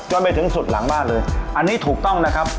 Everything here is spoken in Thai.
ไปถึงสุดหลังบ้านเลยอันนี้ถูกต้องนะครับ